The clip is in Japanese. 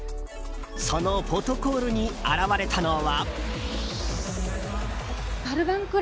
そのフォトコールに現れたのは。